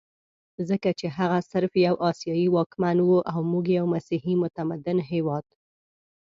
ځکه چې هغه صرف یو اسیایي واکمن وو او موږ یو مسیحي متمدن هېواد.